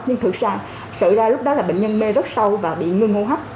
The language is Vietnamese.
nhưng thực ra sự ra lúc đó là bệnh nhân mê rất sâu và bị ngưng hô hấp